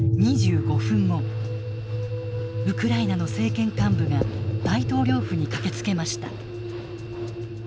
ウクライナの政権幹部が大統領府に駆けつけました。